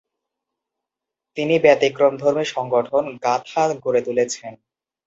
তিনি ব্যতিক্রমধর্মী সংগঠন "গাঁথা" গড়ে তুলেছেন।